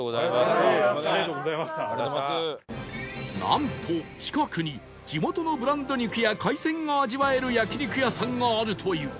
なんと近くに地元のブランド肉や海鮮が味わえる焼肉屋さんがあるという